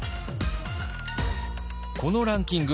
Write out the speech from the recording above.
このランキング